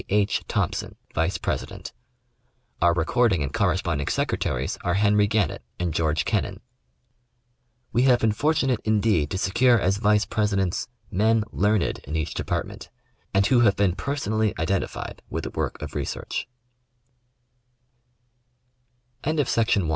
H. Thompson, vice president ; our recording and corresponding secretaries are Henry Gannett and George Kennan. We have been fortunate indeed to secure as Vice Presidents men learned in each department, and who have been personally identified w